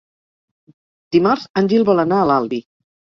Dimarts en Gil vol anar a l'Albi.